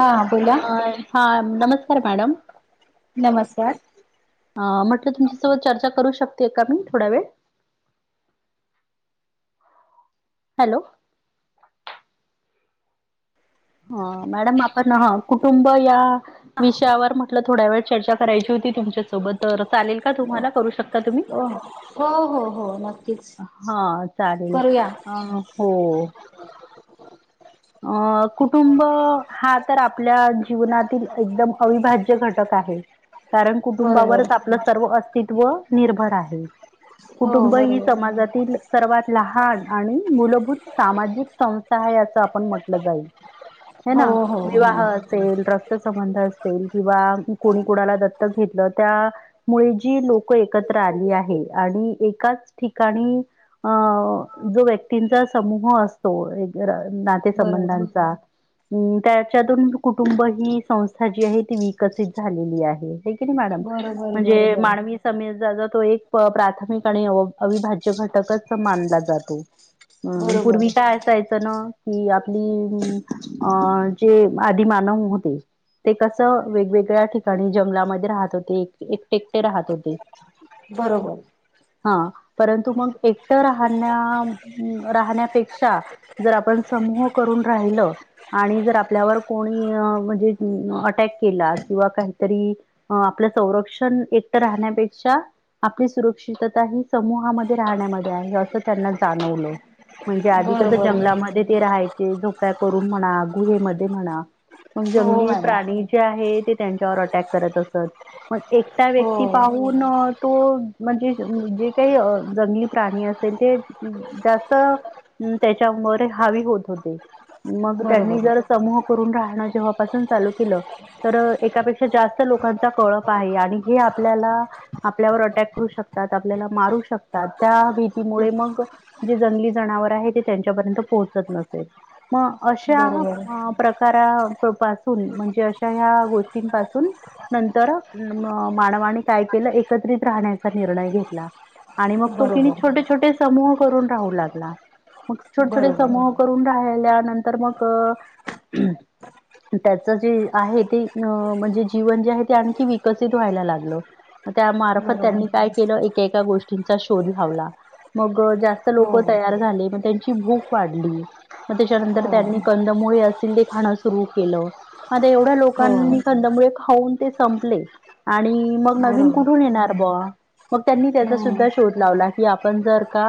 हा बोला हॅलो हां नमस्कार मॅडम नमस्कार. अ म्हटलं तुमच्यासोबत चर्चा करू शकते का मी थोडा वेळ हॅलो. ह मॅडम आपण ह कुटुंब या. विषयावर म्हटलं थोड्या वेळ चर्चा करायची होती तुमच्यासोबत तर चालेल का तुम्हाला करू शकता तुम्ही? हो ह हो. हो नक्कीच हा चालेल करूया अ हो. अं कुटुंब हा तर आपल्या जीवनातील एकदम अविभाज्य घटक आहे. कारण बरोबर कुटुंबावरच आपलं सर्व अस्तित्व निर्भर आहे. हो कुटुंब ही बरोबर समाजातील सर्वात लहान आणि मूलभूत सामाजिक संस्था आहे असं आपण म्हटलं जाईल. ह हो ना हो हो विवाह अस रक्तसंबंध असेल किंवा कोणी कुणाला दत्तक घेतलं त्या मु जी लोक एकत्र आली आहे आणि एकाच ठिकाणी अ जो व्यक्तींचा समूह असतो एक ना. बरोबर संबंधांचा हम् त्याच्यातून कुटुंब ही संस्था जी आहे ती विकसित झालेली आहे. मॅडम बरोबर म्हणजे बरोबर मानवी स तो एक प्राथमिक आणि अविभाज्य घटकच मानला जातो. हम् पूर्वी बरोबर काय असायचं ना. कि आपली अं जे आधि मानव होते. ते कसं वेगवेगळ्या ठिकाणी जंगलामध्ये राहत होते एकटेकटे राहत होते. बरोबर. हा परंतु मग एक राह राहण्यापेक्षा जर आपण समूह करून राहिलं. आणि जर आपल्यावर कोणी म्हणजे अटॅक केला किंवा काहीतरी अ आपलं संरक्षण एकटं राहण्यापेक्षा आपली सुरक्षितता ही समूहामध्ये राहण्यामध्ये आहे असं त्यांना जाणवलं. म्हणजे आधी कसं बरोबर जंगलामध्ये ते राहायचे झोप्या करून म्हणा गुहेमध्ये म्हणा. मग हो जंगली मॅडम प्राणी जे आहे ते त्यांच्यावर अटॅक करत असत. मग एकट हो व्यक्ती पाहून तो म्हणजे जे काही जंगली प्राणी असेल ते जास्त त्याच्या हवी होत होते मग त्यांनी बरोबर जर समूह करून राहण जेव्हापासून चालू केलं. तर एकापेक्षा जास्त लोकांचा कळप आहे आणि हे आपल्याला आपल्यावर अटॅक करू शकतात आपल्याला मारू शकतात त्या भीतीमुळे मग जे जंगली जनावर आहे ते त्यांच्यापर्यंत पोहोचत नसेल. मग अशा बरोबर प्रकारा पासून म्हणजे अशा ह्या गोष्टींपासून नंतर मानवानी काय केलं एकत्रित राहण्याचा निर्णय घेतला. आणि मग तो किणी बरोबर छोटे छोटे समूह करून राहू लागला मग छोटे छोटे बरोबर समूह करून राहिल्या नंतर मग त्याच जे आहे ते अ म्हणजे जीवन जे आहे ते आणखी विकसित व्हायला लागलं. त्यामार्फत बरोबर त्यांनी काय केलं एकाका गोष्टींचा शोध लावला. मग जास्त हो लोक तयार झाले मग त्यांची भूक वाढली. मग हो त्याच्यानंतर त्यांनी कंदमुळे असल ते खाणं सुरू केलं. आता एवढ्या हो लोकांनी कंदमुळे खाऊन ते संपले. आणि मग नवीन बरोबर कुठून येणार बा मग त्यांनी त्याचा हम्म सुद्धा शोध लावला की आपण जर का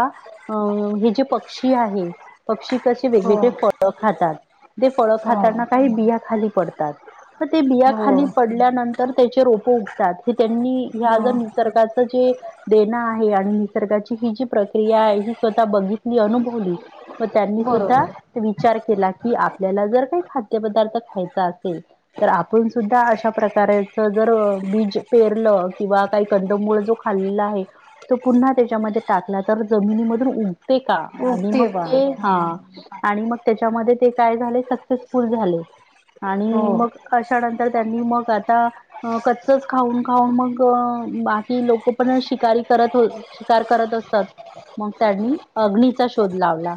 अं हे जे पक्षी आहे. पक्षी कसे हो वेगवेगळे फळं खातात ते फळं हो खाताना काही बिया खाली पडतात. तर ते हो बियाखाली पडल्यानंतर त्याचे रोपं उगतात हे त्यांनी ह्या हो ज निसर्गाचं जे देणं आहे आणि निसर्गाची ही जी प्रक्रिया आहे ही स्वतः बघितली अनुभवली. व त्यांनी सुद्धा बरोबर विचार केला की आपल्याला जर काही खाद्यपदार्थ खायचा असेल तर आपण सुद्धा अशा प्रकारेच जर बीज पेरलं किंवा काही कंदमूळ जो खाल्ला आहे तो पुन्हा त्याच्यामध्ये टाकला तर जमिनीमधून उगते का आणि मग ओके ते बा हा आणि मग त्याच्यामध्ये ते काय झाले सक्सेसफुल झाले आणि हो मग अशानंतर त्यांनी मग आता अ कच्चच खाऊन खाऊन मग बाकी लोक पण शिकारी करत होत शिकार करत असतात मग त्यांनी अग्नीचा शोध लावला.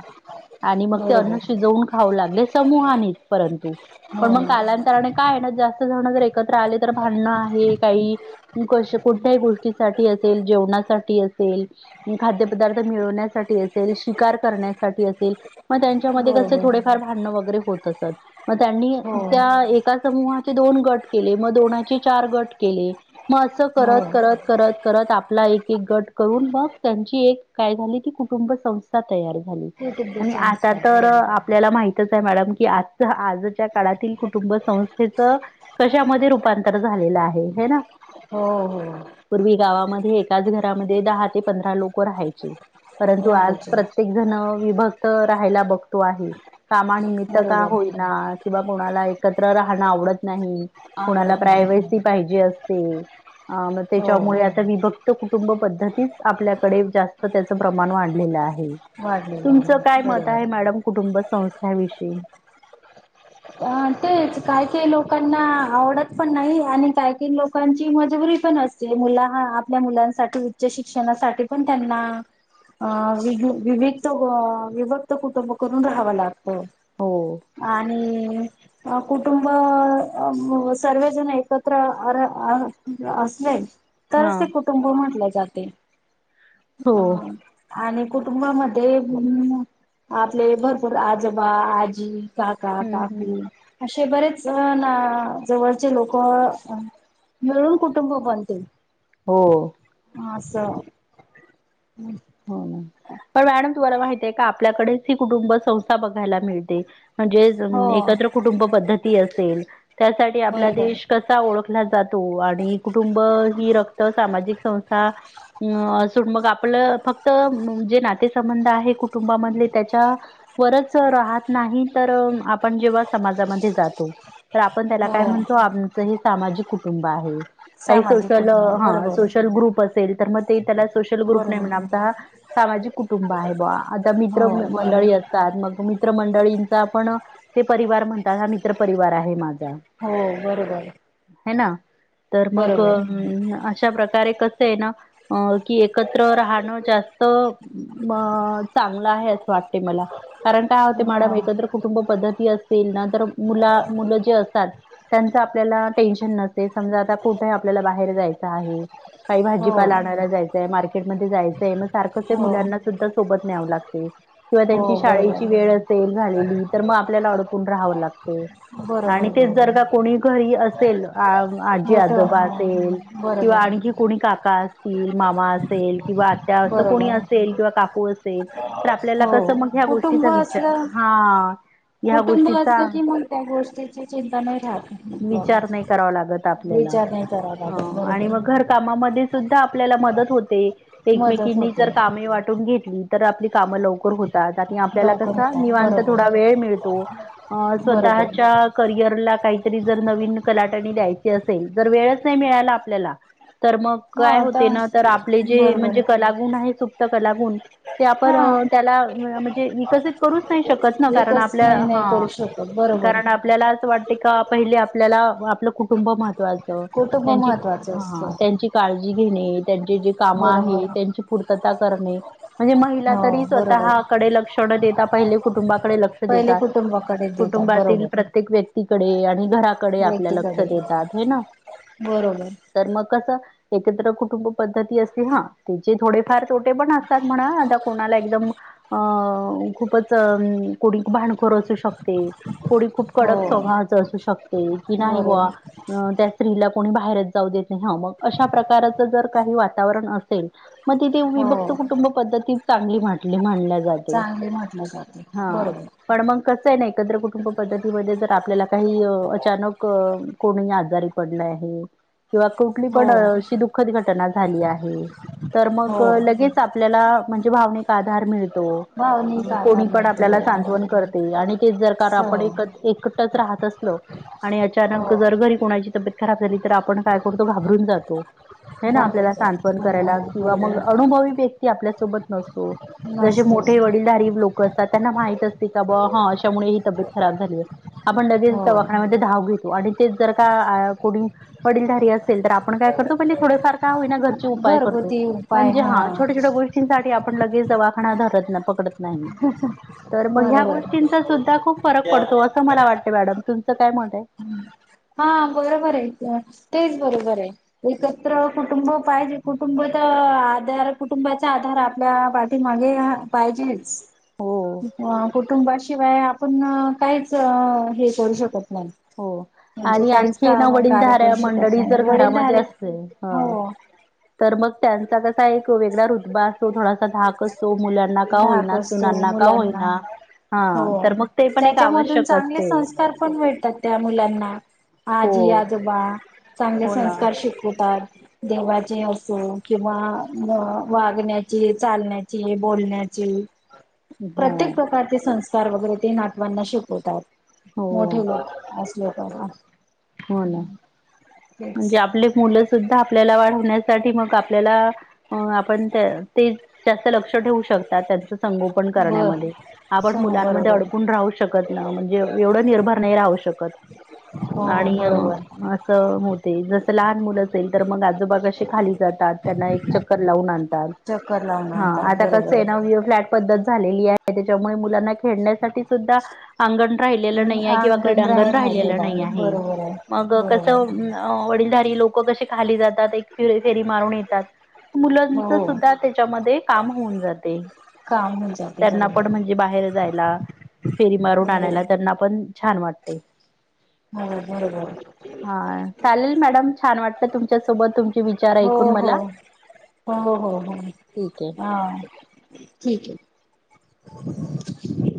आणि मग ते अन्न बरोबर शिजवून खाऊ लागले समूहानीच परंतु. हो पण मग कालांतराने काय आहे ना जास्त जणं जर एकत्र आले तर भांडणं आहे काही क कुठत्याही गोष्टीसाठी असेल जेवणासाठी असेल. खाद्यपदार्थ मिळवण्यासाठी असेल शिकार करण्यासाठी असेल. मग त्यांच्यामध्ये कसे बरोबर थोडेफार भांडणं वगैरे होत असत. मग त्यांनी हो त्या एका समूहाचे दोन गट केले मग दोनाचे चार गट केले. मग असं हो करत करत करत करत आपला एक एक गट करून मग त्यांची एक काय झाली की कुटुंब संस्था तयार झाली कुटुंब आणि आता संस्था तर बरोबर आपल्याला माहिती आहे मॅडम की आज आजच्या काळातील कुटुंब संस्थेचं कशामध्ये रूपांतर झालेलं आहे हे ना. हो हो पूर्वी गावामध्ये एकाच घरामध्ये दहा ते पंधरा लोक राहायची परंतु आज राहायचे प्रत्येक विभक्त राहायला बघतो आहे कामानिमित्त का बरोबर होईना किंवा कोणाला एकत्र राहण आवडत नाही कोणा आवडत नाही प्रायव्हसी पाहिजे असते मग हो त्याच्यामुळे आ विभक्त कुटुंब पद्धतीच आपल्याकडे जास्त त्याचं प्रमाण वाढलेलं आहे. वाढलेलं तुमचं आहे काय मत बरोबर आहे मॅडम कुटुंब संस्थेविषयी. तेच काही काही लोकांना आवडत पण नाही आणि काही काही लोकांची मजबुरी पण असते. मुलं ह आपल्या मुलांसाठी उच्च शिक्षणासाठी पण त्यांना अ वि विविक्त विभक्त कुटुंब करून राहावं लागत. हो हो. आणि अ कुटुंब सर्वजण एकत्र असले हा. तरच ते कुटुंब म्हटले जाते. हो. ह आणि कुटुंबामध्ये आपले भरपूर आजोबा, आजी काका हम्म हम्म. काकी असे बरेच ना जवळचे लोक मिळून कुटुंब बनते. हो असं हम् हो नां पणं मॅडम तुम्हांला माहितं आहे कां आपल्यांकडेचं ही कुटुंब संस्था बघांयला मिळतें म्हणजे हो एकत्रं कुटुंब पद्धती असेलं त्यांसाठी आपंला बरोबर देश कसं ओळखंला जातो आणि कुटुंब ही रक्तं सामाजिक संस्थां हं असूंन मंग आपलं फक्तं जे नातेसंबंध आहे कुटुंबांमध्ये त्यांच्या वरचं राहतं नाहीं तरं आपणं जेंव्हा समाजांमध्यें जातो तरं आपणं त्यांला हो कायं म्हणतो आमचं हे सामाजिक कुटुंबं आहे कांहीं सामाजिक सोशंल कुटुंब हं बरोबर सोशंल ग्रुप असं असतील तरं मंग ते त्यांला सोशल ग्रुप नाहीं म्हं बरोबर आमचां हां सामाजिक कुटुंबं आहे बुवा आतां हो मित्रं बरोबर मंडळी असतांत मंग मं मित्रं मंडळींच्या पणं ते परिवार म्हणतांत हां मित्रं परिवारं आहे माझां हम्मं हम्मं बरोबर हे नां तरं मंग बरोबर अश्या प्रकारे कसं आहे नां की एकत्रं राहणं जास्तं मं चांगलं आहे असं वाटतें मलां कारणं कायं होते मॅडम हो एकत्रं कुटुंबं पद्धती असतील नं तरं मुलां मुलं जे असतांत त्यांचं आपल्यांला टेन्शन नस्ते समंजा आतां कुठेही आपल्यांला बाहेर जायचं आहे कांहीं हो भाजीपाला आणांयला जायचंय मार्केटमंध्यें जायचं ते सारखं हो मुलांना सुद्धां सोबंत न्यावं लागते किंवा हो त्यांची बरोबर शाळेची वेळं असेल झालेली तरं मंग आपल्यांला अडकूंन राहावं लागते आणि बरोबर ते जरं बरोबर कां कोणी घरी असेलं आजी मोठं आजोबा हा असेलं किंवा बरोबर आहे आणंखी कोणी काका असतील मामा असेलं किंवा आ त्यां असेल कुणी बरोबर असेल किंवा काकूं असेल तरं आपल्यांला हो कसं मंग ह्यां गोष्टींचा विचांर हां कुटुंबं असतं कि मंग त्यां गोष्टींची चिंता नाहीं राहतं मं बां आतां आपल्यांला आणि मंग घरकांमामंध्येंच सुद्धां आपल्यांला मदतं होते मदत एकमेकींनी होते जरं कामे वाटूंन घेतलीं तरं आपली कामं लवकरं होती आपल्यांला लवकर कसां होतात निवांत बरोबर थोडां वेळं मिळतो अं बरोबर स्वंतःच्यां करिअरलां कांहीतरी जरं नवीन कलांटणी द्यायंची असेल जरं वेळंच नाहीं मिळालां आपल्यांला तरं मंग हा कायं आता होते नां तरं आपले जे म्हणजे बरोबर लागूंन आहे चुकतं त्यांला लागूंन ते हा आपणं त्यांला म्हणजे विकसित करूंन नाहीं शकतं नं कारणं एकच आपल्याला नाही नाही करू हां शकत बरोबर कारणं आपल्यांला असं वाटतं की कां पहिले आपल्यांला आपलं कुटुंबं महत्वाचं कुटुंब त्यांची महत्त्वाचं हां असतं त्यांची काळंजी घेणे त्यांचे जे कामं आहे बरोबर त्यांची पूर्तता करणे म्हणजे महिलां हो तरी बरोबर स्वंतःकडे लक्षणं नं देतां पहिले कुटुंबां कडे डे लंक्ष पहिले देतांत कुटुंबाकडे देतात कुटुंबांतील बरोबर. प्रत्येक व्यक्तींकडे आणि घरांकडे आपल्यां लंक्ष व्यक्तीकडे देतांत येनं बरोबर तरं मंग कसं एकत्रं कुटुंबं पद्धती असेलन हं त्यांचे थोडेफांर तोटे पणं असतांत म्हंणा आतां कोणांला एकदंम अं खूपचं अं कोणी भांडखोर अंसू शकते कोणी खूंप हो कडक स्वंभावांच अंसू शकते की नाहीं बां बरोबर हं त्यां स्त्रीलां कोणी बाहेरचं जाऊं देतं नाहीं हं मंग अश्या प्रकारचं जरं कांहीं वातांवरण असं सेलं मंग तिथे विभक्तं हो कुटुंबं पद्धतींत चांगली म्हटली म्हणल्यां जाते चांगली म्हटल्यां जाते बरोबर पणं मंग कसं आहे नां एकत्रं कुटुंबं पद्धतींमध्यें जरं आपल्यांला कांहीं अचांनक कोणी आजांरी पडलं आहे किंवा कुठंली हो पणं अशी दुःखंद घटनां झाली आहे तरं हो मंग लगेचं लगेचं आपल्यांला म्हणजे भाविक आंधार मिळतो भावनिक हो कोणी आधार पण मिळतो आपल्याला बरोबर सांत्वन करते आणि तेच जर का हो आपण एक एकत्र एकटच राहत असलो आणि हो अचानक जर घरी कोणाची तब्बेत खराब झाली तर आपण काय करतो घाबरून जातो हे ना आपल्याला बापच सांत्वन हो करायला किंवा मग बरोबर अनुभवी व्यक्ती आपल्यासोबत नसतो जसे नसते मोठे वडीलधारी लोक करतात त्यांना माहित असते का ब हा अशामुळे ही तब्येत खराब झाली आहे आपण लगेच हो दवाखान्यामध्ये धाव घेतो आणि तेच जर का कोणी वडील धारी असेल तर आपण काय करतो म्हणजे थोडेफार काय होईना घर घरगुती म्हणजे हा छोट्या छोट्या गोष्टींसाठी आपण लगेच दवाखाना धरत नाही पकडत नाही तर मग ह्या बरोबर गोष्टींचा सुद्धा खूप फरक पडतो अस अस मला वाटत मॅडम तुमच काय मत आहे हा बरोबर आहे तेच बरोबर आहे एकत्र कुटुंब पाहिजे कुटुंब तर आधार कुटुंबाच्या आधार आपल्या ते मागे या पाहिजेच हो. अ कुटुंबाशिवाय आपण काहीच हे करू शकत नाही हो म्हणजे आणि काहीच आणखी ना काम कार्य करू वडीलधऱ्या शकत मंडळी जर नाही घरामध्ये वडीलधारे असते ह हो तर मग त्यांचा कसा एक वेगळा रुदबा असतो थोडासा धाक असतो मुलां ना का धाक होईना असतो सुनांना का मुलांना होईना हा हो तर मग ते पण एक त्याच्यामधून आवश्यक चांगले असते संस्कार भेटतात त्या मुलांना हो आजी आजोबा चांगले हो ना संस्कार शिकवतात देवाचे असो किंवा वागण्याची चालण्याची बोलण्याची ची हो प्रत्येक प्रकारचे संस्कार वगैरे ते नातवांना शिकवतात हो मोठे लोक असले का हो ना म्हणजे तेच. आपले च मुलं सुद्धा आपल्याला वाढवण्यासाठी मग आपल्याला अ आपण ते तेच जास्त लक्ष ठेवू शकतात त्यांचं संगोपन बर करण्यामध्ये आपण हो मुलांमध्ये बरोबर अडकून राहू शकत ना म्हणजे एवढं निर्भर नाही राहू शकत हो आणि अ, बरोबर असं होते जसं लहान मुलं असेल तर मग आजोबा कशे खाली जातात त्यांना एक चक्कर लावून आणतायत चक्कर लावून हा आणतात आत्ता कस बरोबर आहे ना न्यू फ्लॅट पद्धत झालेली आहे त्याच्यामुळे मुलांना खेळण्यासाठी सुद्धा अंगण राहिलेलं नाही आहे किंवा अंगण क्रीडांगण राही राहिलेलं राहिलेला नाही आहे बरोबर आहे मग बरोबर. कसं अ वडीलधारी लोकं कसे खाली जातात एक फि फेरी मारून येतात मुलांच हो सुद्धा त्याच्यामध्ये काम होऊन जाते का म्हज त्यांना पण म्हणजे बाहेर जायला फेरी मारून हो. आणायला त्यांना पण छान वाटतय हो हा बरोबर चालेल मॅडम छान वाटलं तुमच्यासोबत तुमच्या हो हो हो हो ठीक आहे. हा ठीक हे